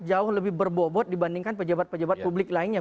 jauh lebih berbobot dibandingkan pejabat pejabat publik lainnya